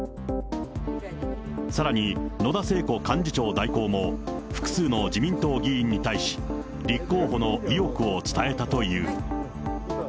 さらに、野田聖子幹事長代行も、複数の自民党議員に対し、立候補の意欲を伝えたという。